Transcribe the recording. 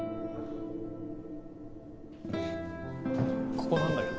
ここなんだけど。